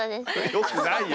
よくないよ。